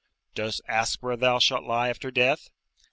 ["Dost ask where thou shalt lie after death?